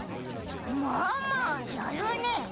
まあまあやるねえ。